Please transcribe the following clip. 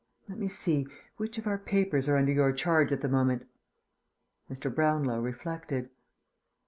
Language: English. "Let me see, which of our papers are under your charge at the moment?" Mr. Brownlow reflected.